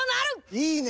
いいね！